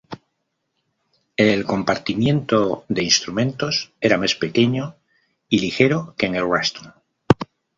El compartimiento de instrumentos era más pequeño y ligero que en el Redstone.